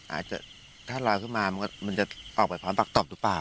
อาจจะถ้าลอยขึ้นมามันจะออกไปพร้อมปักตบหรือเปล่า